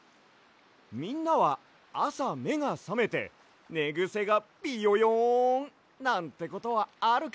みんなはあさめがさめてねぐせがビヨヨン！なんてことはあるかい？